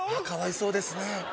かわいそうですね